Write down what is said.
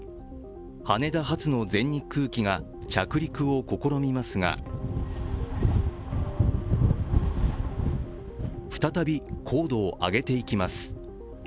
羽田発の全日空機が着陸を試みますが再び高度を上げていきます。